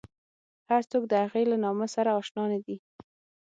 هر څوک د هغې له نامه سره اشنا نه دي.